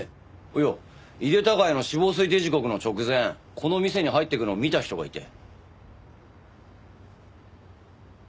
いや井手孝也の死亡推定時刻の直前この店に入っていくのを見た人がいて。